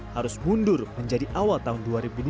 harus mundur menjadi awal tahun dua ribu dua puluh